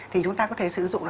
thì chúng ta có thể sử dụng